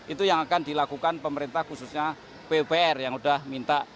itu yang akan dilakukan pemerintah khususnya pupr yang sudah minta